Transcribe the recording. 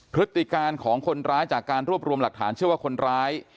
พฤติการของคนร้ายจากการรวบรวมหลักฐานเชื่อว่าคนร้าย